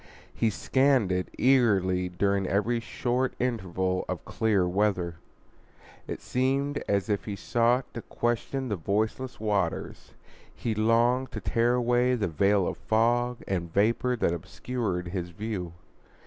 He scanned it eagerly during every short interval of clear weather. It seemed as if he sought to question the voiceless waters; he longed to tear away the veil of fog and vapor that obscured his view.